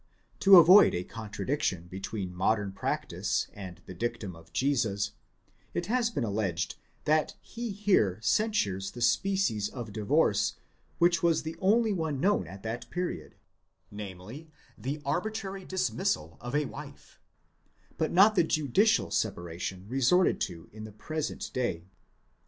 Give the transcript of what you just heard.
To avoid a con tradiction between modern practice and the dictum of Jesus, it has been alleged that he here censures the species of divorce which was the only one known at that period, namely, the arbitrary dismissal of a wife ; but not the judicial separation resorted to in the present day.